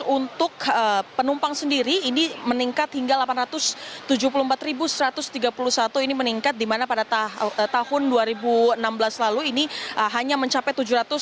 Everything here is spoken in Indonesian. untuk penumpang sendiri ini meningkat hingga delapan ratus tujuh puluh empat satu ratus tiga puluh satu ini meningkat dimana pada tahun dua ribu enam belas lalu ini hanya mencapai tujuh ratus dua puluh empat lima ratus dua belas